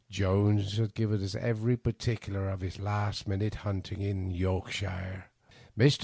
Jones had given us every particu lar of his last himting adventure in Yorkshire. Mr.